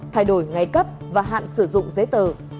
thay đổi ngày cấp và hạn sử dụng giấy tờ